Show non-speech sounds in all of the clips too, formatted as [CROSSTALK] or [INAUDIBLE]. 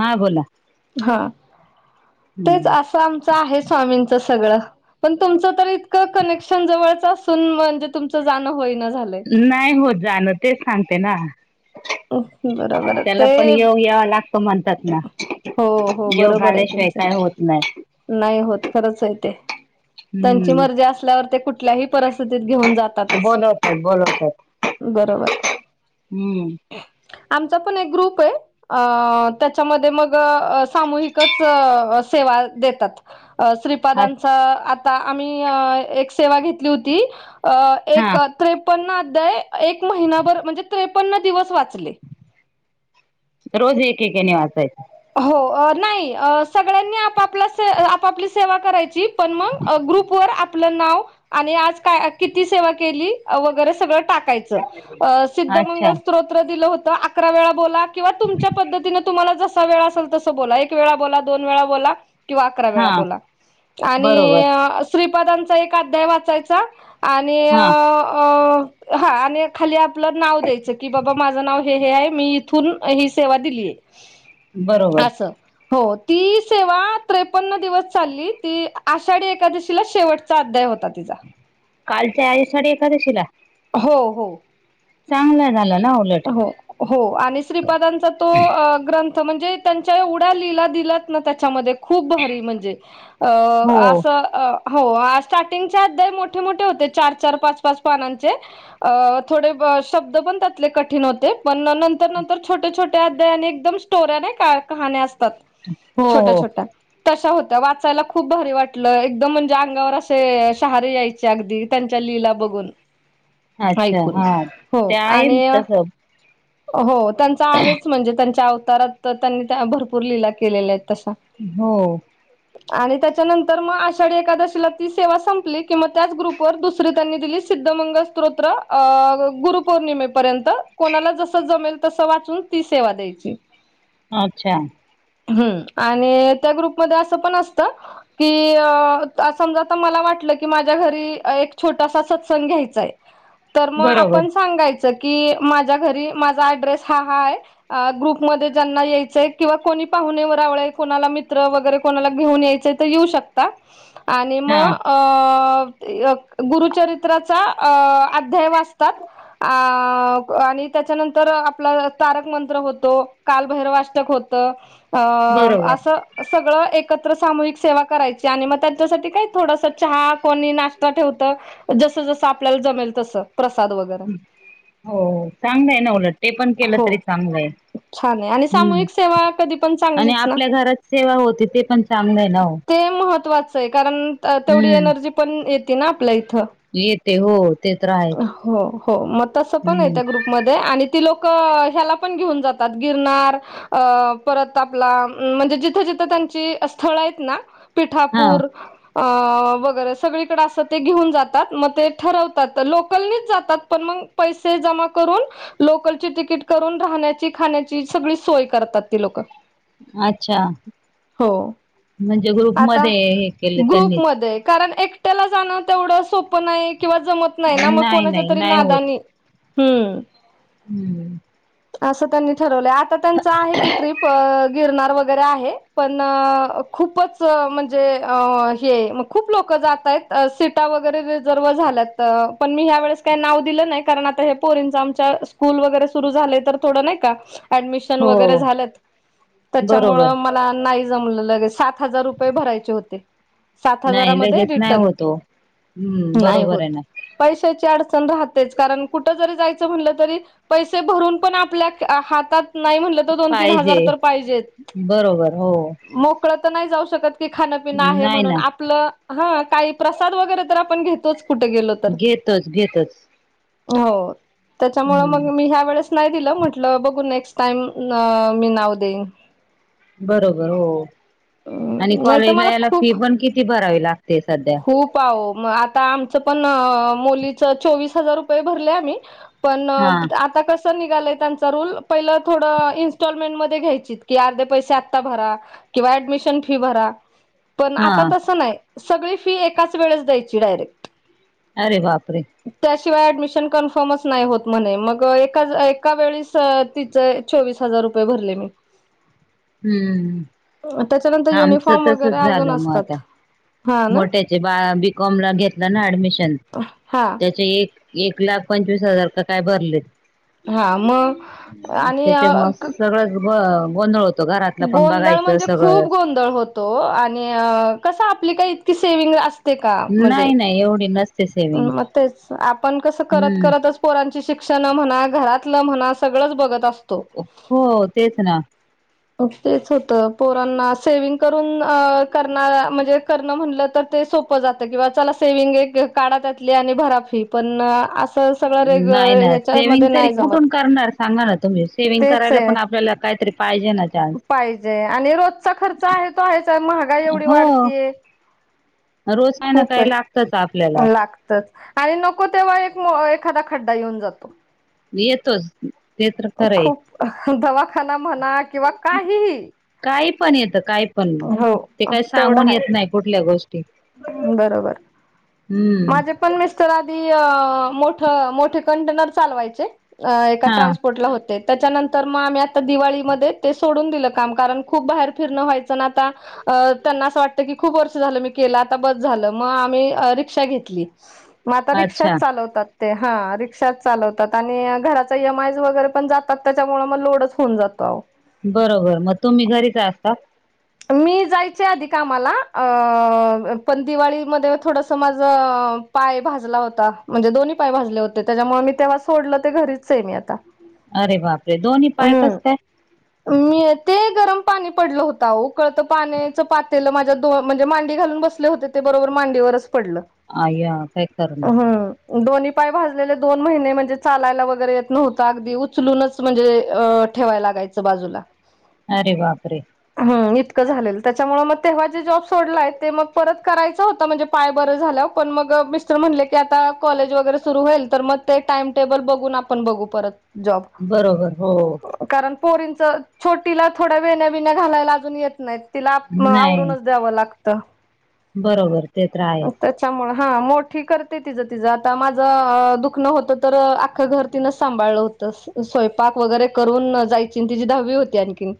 हा बोला हा तेच असाम असं आहे स्वामींचे सगळं, पण तुमचं तर इतकं कनेक्शन जवळचं म्हणजे तुमचं जाणं होई न झालं. नाही होत जाणं तेच सांगते ना. बर -बर त्याला ते पण योग यावा लागतो म्हणतात ना हो हो योग बरोबर आहे आल्याशिवाय तुमचं. काय होत नाही नाही होत खरंच आहे ते, त्यांची हम्म मर्जी असल्यावर ते कुठल्याही परिस्थितीत घेऊन जात बोलवतात बोलवतात बरोबर हम्म, आमचा पण एक ग्रुप आहे. अ त्याच्यामध्ये मग सामूहिकच सेवा देतात. अ श्रीपादांचा आता आम्ही एक सेवा घेतली होती अ हा एक त्रेपन्न अध्याय, एक महिनाभर म्हणजे त्रेपन्न दिवस वाचले. रोज एक- एकेने वाचायचं. हो. नाही सगळ्यांनी आपपला आपापली सेवा करायची, पण मग ग्रुप व आपलं नाव आणि आज काय किती सेवा केली वगैरे सगळं टा सद् मंग अच्छा स्रोत्र दिलं होतं आ अकरा वेळा बोला किंवा तुमच्या पद्धतीनं तुम्हाला जस जसा वेळा असेल तस बोला, एक वेळा बोला, दोन वेळा बोला. किंवा अकरा हा वेळा बोला, आणि बरोबर श्रीपादांचा एक अध्याय वाचायचा आणि अ हा हा आणि खाली आपल नाव द्यायचं की बाबा माझं नाव हे हे आहे मी इथून ही सेवा दिली आहे. बरोबर असं. हो ती सेवा त्रेपन्न दिवस चालली, ती आषाढी एकादशीला शेवट चा अध्याय होता तिचा. कालच्या आषाढी एकादशीला? हो हो. चांगलं झालं ना उ हो हो आणि श्रीपादांचा तो ग्रंथ म्हणजे त्यांच्या एवढ्या लीला दिल्यात ना त्याच्यामध्ये खुप भारी म्हणजे हो असं हो स्टार्टिंगच्या अध्याय मोठे मोठे होते चार-चार, पाच-पाच पानांचे, अ थोडे शब्द पण त्यात, लय कठीण होते, पण नंतर नंतर छोटे छोट्या अध्यायाने एकदम स्टोऱ्या नाही का कहाण्या असतात. हो छोट्या हो छोट्या तशा होत्या, वाचायला खूप भारी वाटलं एकदम म्हणजे अंगावर असे शहारे यायचे. अगदी त्यांच्या लीला बघून ''अच्छा''! ऐकून हा हो ते आहे आणि तस. हो, त्यांचा आहेच म्हणजे त्यांच्या अवतारात त्यांनी भरपूर लीला केलेल्या आहेत तशा. हो. [INAUDIBLE] आणि त्याच्यानंतर मग आषाढी एकादशीला ती सेवा संपली किंवा त्याच ग्रुपवर दुसरी त्यांनी दिली सिद्ध मंगल स्त्रोत गुरुपौर्णिमेपर्यँत कोणाला जस जमेल तस वाचून ती सेवा द्यायची. अच्छा! हं! आणि त्या ग्रुपमध्ये असं पण असतं. की अस समजा, आता मला वाटलं की माझ्या घरी एक छोटासा सत्संग घ्यायचाय. तर मग बरोबर आपण सांगायचं की, माझ्या घरी माझा ऍड्रेस हा हा आहे. अ ग्रुपमध्ये ज्यांना यायचय किंवा कोणी पाहुणे व रावळे कोणाला मित्र वगैरे कोणाला घेऊन यायचय. तर येऊ शकता, आणि हा मग एक गुरुचरित्राचा अध्याय वाचतात, आणि त्याच्यानंतर आपला तारक मंत्र होतो. कालभैरवाष्टक होत. बरोबर अं--असं सगळं एकत्र सामूहिक सेवा करायची आणि मग त्यांच्यासाठी काही थोडस चहा कोणी, नाश्ता ठेवतं. जस जसं आपल्याला जमेल तसं, प्रसाद वगैरे हो चांगलंय ना, उलट ते पण केलं हो तरी चांगलंय. छान आहे आणि हं सामूहिक सेवा कधी पण आणि चांगलीच ना आपल्या घरात सेवा होती, ते पण चांगलं आहे ना ओ. ते महत्त्वाचं आहे, कारण तेवढी हम्म एनर्जी पण येते ना आपल्या इथं येते हो. ते तर आहेच. हो हो मग तसं पण आहे हम्म त्या ग्रुप मध्ये, आणि ती लोक ह्याला पण घेऊन जातात, गिरणार परत आपला, म्हणजे जिथं जिथं त्यांची स्थळ आहेत ना हा पिठापूर वगैरे सगळीकडे असं ते घेऊन जातात. मग ते ठरवतात. लोकलनीच जातात, पण मग पैसे जमा करून लोकलची तिकीट करून राहण्याची, खाण्याची सगळी सोय करतात ती लोक अच्छा! 'हो'! म्हणजे आता ग्रुपमध्ये हे केलं त्यांनीच. ग्रुपमध्ये कारण, एकट्याला जाणं तेवढं सोपं नाही किंवा जमत नाही ना, मग कोणाच्या नाही तरी नाही होत. नादानी हं [INAUDIBLE] 'असं त्यांनी ठरवलं'. आता त्यांच आहे की ट्रीप गिरणार वगैरे आहे, पण खूपच म्हणजे हे खूप लोकं जात आहेत, सीटा वगैरे रिझर्व झाल्यात. तर, पण मी ह्या वेळेस काही नाव दिलं नाही, कारण आता हे पोरींच आमच्या स्कूल वगैरे सुरु झाले, तर थोड नाही का ऍडमिशन वगैरे हो झाल, त्याच्यामुळ बरोबर ला नाही जमले सात हजार रुपये भरायचे होते सात नाही हजारामध्ये लगेच नाही रिटर्न होत ओ. हम्म नाही बरोबर होत. आहे ना पैशाची अडचण राहतेच. कारण कुठं जरी जायचं म्हणटलं तरी? पैसे भरून पण आपल्या हातात नाही म्हणलं तरी दोन तीन हजार पाहिजे तर पाहिजेत. बरोबर हो. मोकळ तर नाही जाऊ शकत. की खाणंपिनं आहे नाही म्हणून ना आपलं हा काही प्रसाद वगैरे तर आपण घेतोच कुठे गेलो तर घेतच, घेतच. हो त्याच्यामुळे मग हम्म मी ह्या वेळेस नाही दिलं म्हटलं बघू नेक्स्ट टाईम मी नाव देईन. बरोबर हो आणि नाही तर कॉलेजला मला याला खूप फी पण किती भरावी लागते सध्या? खूप पाह म आता आमचं पण मुलीच चोवीस हजार रुपये भरले आम्ही पण हा मग आता कसं निघालय त्यांचा रूल पहिलं थोडं इन्स्टॉलमेंट मध्ये घ्यायचीत. की अर्धे पैसे आता भरा किंवा ऍडमिशन फी भरा. पण हा आता तस नाही. सगळी फी एकाच वेळेस द्यायची डायरेक्ट. अरे बापरे! त्याशिवाय ऍडमिशन कन्फर्मच नाही होत म्हणे. मग एका एका वेळीस तिचे चोवीस हजार रुपये भरले मी. हम्म त्याच्यानंतर आमचं युनिफॉर्म वगैरे तसच अजून झालं मग आता असतात. हा ना. मोठ्याचे बीकॉम ला घेतला ना ऍडमिशन हा त्याचे एक एक लाख पंचवीस हजार का काय? भरलेत. हा मग आणि त्याच्यामुळे सगळच गोंधळ होत. गोंधळ म्हणजे खूप गोंधळ होतो? आणि कसा आपली काही इतकी सेविंग अस ते का म्हणजे? नाही नाही एवढी नसते से मग तेच आपण कसं करत करतच पोरांची शिक्षण म्हणा, घरातलं म्हणा सगळंच बघत असतो. हो तेच ना. तेच होतं पोरांना सेविंग करून करणार म्हणजे? करणं म्हणलं तर सोप जात किंवा चला सेविंग एक, एक काढा त्यातली आणि भरा फी पण ना आसं नाही, नाही सेविंग तरी कुठून जमत करणार सांगा ना तुम्ही? सेविंग तेच करायला पण आहे आपल्याला काहीतरी पाहिजे ना चा पाहिजे आणि रोजचा खर्च आहे तो आहे. महागाई एवढी हो वाढतीये. रोज काही ना काही लागतच आपल्याला. लागतच आणि नको तेव्हा एक एखादा खड्डा येऊन जातो? येतोच. ते तर खरंय खूप दवाखाना म्हणा किंवा काहीही. काय पण येत, काय पण हो ते काही तेवढं सांगून हाय येत नाही कुठल्या गोष्टी. बरोबर [INAUDIBLE] हम्म माझं पण मिस्टर आधी आ मोठ, मोठे कंटेनर चालवायचे? एका हा ट्रान्सपोर्टला होते. त्याच्यानंतर मग आम्ही आता दिवाळीमध्ये ते सोडून दिलं. काम कारण खूप बाहेर फिरणं व्हायचं ना? आता अ त्यांना असं वाटतं की? खूप वर्ष झालं मी केल आता बस झालं मग आम्ही रीक्षा घेतली मग आता अच्छा रिक्षाच चालवतात. ते हा रिक्षाच चालवतात. आणि घराचा एम आय ज वगैरे पण जातात, त्याच्यामुळे मग लोडच होउन जातो. बरोबर. मग तुम्ही घरीच असतात? मी जायचे आधी कामाला. अं पण दिवाळीमध्ये थोडसं माझं पाय भाजला होता. म्हणजे दोन्ही पाय भाजले होते. त्याच्यामुळे मी तेव्हा सोडलं, ते घरीचये मी आता. अरे बापरे! दोन्ही पाय कसं हम्म काय? मी ते गरम पाणी पडलं होतं आओ. कळतं पाण्याचं पातेलं माझ्या दोन, म्हणजे मांडी घालून बसले होते, ते बरोबर मांडीवरच पडलं. अय्या, काही खरं नाही. हम्म दोन्ही पाय भाजलेले, दोन महिने म्हणजे चालायला वगैरे येत नव्हतं. अगदी उचलूनच म्हणजे अ ठेवाय लागायचं बाजूला. अरे बापरे! हम्म. इ झालेलं. त्याच्यामुळे मग तेव्हा जे जॉब सोडलाय, ते मग परत करायचा होता, म्हणजे पाय बरं झाल्यावर पण मग मी म्हणले की, आता कॉलेज वगैरे सुरू होईल. तर मग ते टाइम टेबल बघून आपण बघू परत जॉब. बरोबर हो. कारण पोरींचं छोटीला थोड्या वेण्या विण्या घालायला अजून येत नाहीत. तिला अ नाही आवरूनच द्यावं लागत. बरोबर ते तर आहेच. त्यामुळं, हा मोठी करते तिचं तिचं. आता माझं दुखणं होतं तर, आखं घर तिनं सांभाळलं होत. त स्वयंपाक वगैरे करून जायची. तिची दहावी होती आणखीन.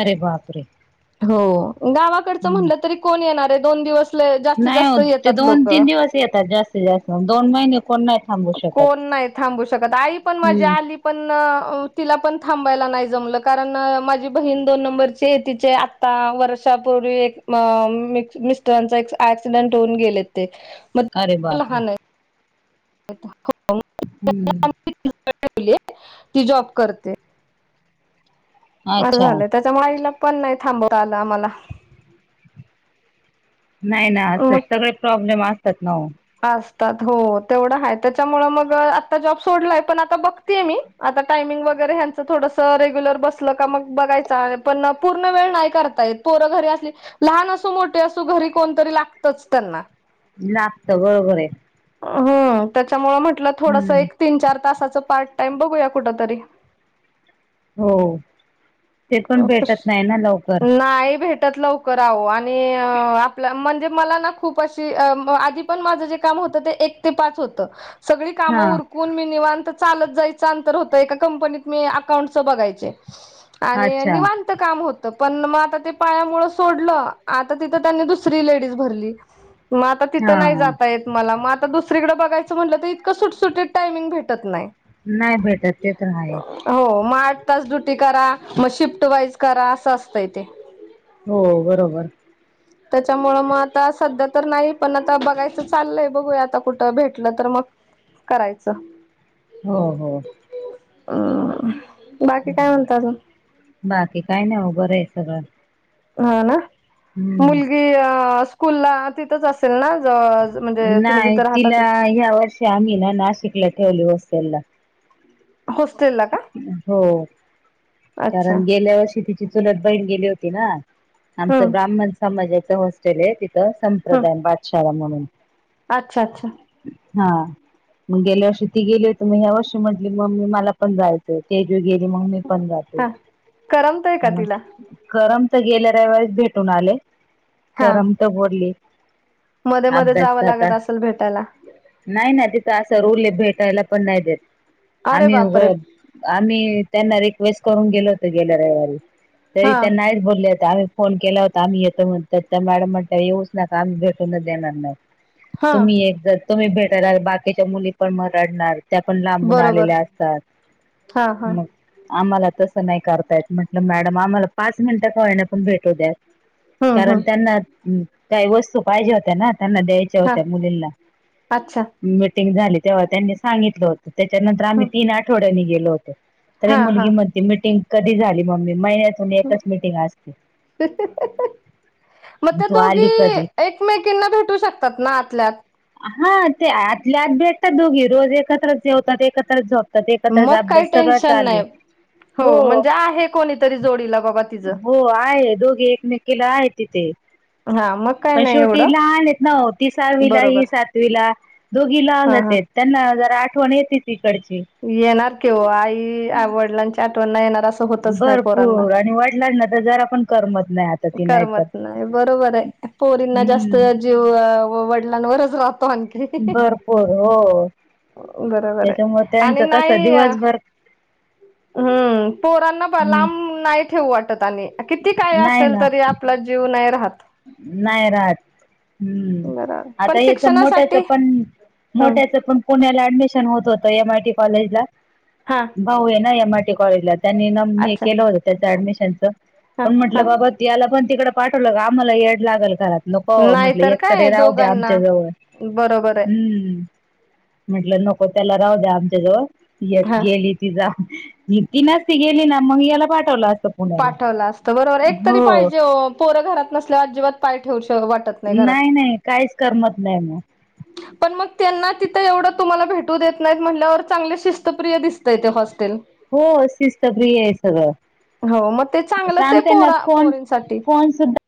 अरे बापरे! हो. गावाकडचं हम्म म्हणलं तरी, कोण येणार आहे? दोन दिवस लय जास्तीत नाही जास्त हो. ते येतात दोन लोक तीन दिवस येतात जास्तीत जास्त. दोन महिने कोण नाही थांबू शकत कोण नाही थांबू शकत. आई पण माझी हम्म आली पण तिला पण थांबायला नाही जमलं. कारण माझी बहीण दोन नंबरची आहे, तिचे आता दहा वर्षापूर्वी, एक मिस्टरांचा एक ऍक्सिडेंट होऊन गेले ते. मग अरे बापरे! लहान आहे हम्म [UNINTELLIGIBLE] ती जॉब करते. बरं अच्छा झालंय. त्याच्यामुळे आईला पण नाही थांबवता आलं आम्हाला. नाही ना असं, मग सगळे प्रॉब्लेम असतात ना ओ. असतात. हो तेवढं आहे त्याच्यामुळ मग आता जॉब सोडलाय, पण आता बघतीय मी. आता टायमिंग वगैरे ह्यांचं थोडंसं, रेग्युलर बसलं का मग बघायचं. पण पूर्ण वेळ नाही करता येत. पोरं घरी असली, लहान असू, मोठे असू, घरी कोणतरी लागतच त्यांना. लागतं बरोबर आहे. हम्म. त्याच्यामुळं म्हटलं थोडसं हम्म. एक तीन चार तासाचं पार्ट टाइम बघूया कुठ तरी. हो. ते पण भेटत नाही ना लवकर. नाही भेटत लवकर आहो. आणि आपल्या म्हणजे मला ना खूप अशी. आधी पण माझं जे काम होत, ते एक ते पाच होत. सगळी हा काम उर कुण मि निवांत चालत जायचं अंतर होतं. एका कंपनीत मी अकाउंटच बघायचे. आणि अच्छा निवांत काम होत त. पण मग आता ते पायामुळं सोडलं आता तिथं त्यांनी दुसरी लेडीज भरली. मग आता हा तिथं नाही जाता येत मला. मग आता दुसरीकडे बघायचं म्हटलं, तर इतकं सुटसुटीत टाइमिंग भेटत नाही. नाही भेटत ते तर [INAUDIBLE] आहेच हो. मग आठ तास ड्युटी करा. मग शिफ्ट वाईज करा असं असतंय ते हो बरोबर त्याच्यामुळं मग आता सध्या तर नाही पण आता बघायचं चाललंय बघूया आता कुठं भेटलं तर मग करायचं हो हो अम्म बाकी काय म्हणता मग बाकी काय नाही ओ बरं आहे सगळं हा ना हम्म. मुलगी स्कूलला तिथंच असेल ना जवळ म्हणजे तुम्ही जिथं राहता तिथं या वर्षी आम्ही ना नाशिकला ठेवलंय होस्टेलला होस्टेलला का हो अच्छा कारण गेल्या वर्षी तिची चुलत बहीण गेली होती ना आमचं हम्म ब्राह्मण समाजाचा तिथं हम्म संप्रदाय बादशाळा म्हणून [INAUDIBLE] अच्छा अच्छा! हा मग गेल्या वर्षी ती गेली होती मग ह्या वर्षी म्हटली मम्मी मला पण पण जायचं तेजु गेली मग मी पण जातो हा करमतय का तिला म्हटली करमत गेल्या रविवळीच भेटून आले हा करमत बोली मध्ये मध्ये जावं लागत असेल भेटायला नाही नाही तिथं असा रुल हाय भेटायला पण नाही देत अरे आम्ही बापरे उगच आम्ही त्यांना रिक्वेस्ट करून गेलो होतो गेल्या रविवारी तरी हा त्या नाहिच बोल्या होत्या आ फोन केला होता आम्ही येतो म्हणून त्या मॅडम म्हंटल्या येऊच नका आम्ही भेटूनच देणार नाही. हा तुम्ही एकदा तुम्ही भेटाला बाकीच्या मुली पण मग रडणार त्या पण लांबून बरोबर आलेल्या असतात. हा हा मग आम्हाला तसं नाही करतायेत म्हंटलं मॅडम आम्हाला पाच मिनिट का होईना पण भेटू द्या. हम्म कारण हम्म त्यांना काही वस्तू पाहिजे होत्या ना त्यांना द्यायची. तेव्हा हा त्या मुलींना अच्छा मिीटिंग झाली तेव्हा त्यांनी सांगितलं होत. त्याच्यानंतर आम्ही तीन आठवड्यानी गेलो होतो तर हा हा मुलगी म्ह ती मीटिंग कधी झाली मम्मी महिन्यातून एकच मिटिंग असते. [INAUDIBLE] मग त्या तू दोघी आली कधी? एकमेकींना भेटू शकतात ना आतल्याआत हा ते आतल्याआत भेटतात दोघी रोज एकत्रच जेवतात एकत्रच झोपतात तर एकत्रच मग काही अभ्यास सगळं टेन्शन चालय नाही हो म्हणजे आहे कोणीतरी जोडीला बाबा तिचं हो आहे दोघे एकमेकींना केला आहे तिथे हा मग काय पण नाही शेवटी एवढं लहान आहेत ना ओ ती सहावीला ह बरोबर सातवीला दोघी हा लहानच हा आहेत. त्यांना जरा आठवण येते तिकडची येणार की ओ आई वडिलांच्या आठवणना येणार अस भरपूर आणि वडिलांना तर जरा पण करमत नाही आता ती नाही तर करमत नाही बरोबर आहे पोरींना जास्त हम्म जीव वडिलांवरच राहतो आणखी. भरपुर हो बरोबर आहे त्याच्यामुळे आणि त्यांचं कसं नाही दिवसभर हम्म पोरांना हम्म, लांब नाही ठेऊ वाटत आणि किती काय असलं नाही ना आपला जीव नाही राहत. नाही राहत. हम्म बरोबर आता पण हेचा मोठ्याचा शिक्षणासाठी पण हम्म मोठ्याचा पुण्याला ऍडमिशन होत होतं एम आय टी कॉलेजला हां. भाऊ आहे ना एम आय टी कॉलेजला त्यांनी ना हे अच्छा केलं होतं त्या ऍडमिशनचं हा पण हा म्हटलं बाबा त्याला पण तिकडं पाठवलं आम्हाला येड लागल काय नको म्हंटलं नाहीतर एकतरी काय राहू द्या आमच्या दोघांना जवळ बरोबर आहे हम्म. म्हटलं नको त्याला राहू द्या आमच्या जवळ ती एक हा गेली तिजा ती नसती गेली ना मग ह्याला पाठवलं. पुण्याला पाठवला असतं बरोबर एक तरी हो पाहिजे पोरं घरात नसल्यावर अजिबात पाय ठेवूशे वाट नाही नाही काहीच करमत नाही मग. पण मग त्यांना तिथं एवढं तुम्हाला भेटू देत नाहीत म्हटल्यावर चांगले शिस्तप्रिय दिसतय ते हॉस्टेल. हो शिस्तप्रिय आहे सगळं. हो म ते चांगलंच आहे सांगते ना पोरा फोन पोरींसाठी. फोन सुद्धा